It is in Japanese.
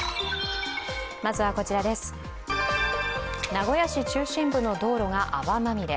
名古屋市中心部の道路が泡まみれ。